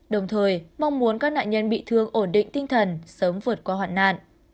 đồng thời mong muốn các nạn nhân bị thương ổn định tinh thần sớm vượt qua hoạn nạn